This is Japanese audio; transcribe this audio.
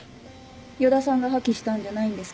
与田さんが破棄したんじゃないんですか？